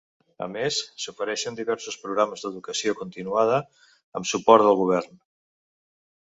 A més, s'ofereixen diversos programes d'educació continuada amb suport del govern.